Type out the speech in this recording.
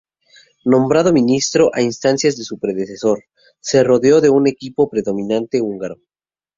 Nombrado ministro a instancias de su predecesor, se rodeó de un equipo predominantemente húngaro.